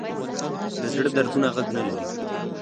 د زړه دردونه غږ نه لري